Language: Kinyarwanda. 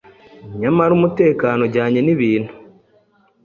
Nyamara umutekano ujyanye nibintu